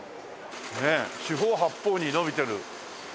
ねえ四方八方に延びてる。